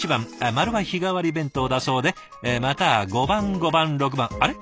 丸は日替わり弁当だそうでまた５番５番６番あれ？